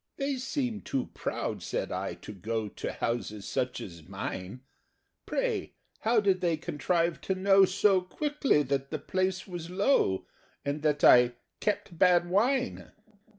"They seem too proud," said I, "to go To houses such as mine. Pray, how did they contrive to know So quickly that 'the place was low,' And that I 'kept bad wine'?"